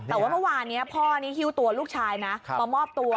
แต่ว่าเมื่อวานนี้พ่อนี่หิ้วตัวลูกชายนะมามอบตัว